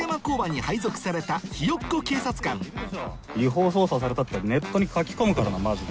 「違法捜査された」ってネットに書き込むからなマジで。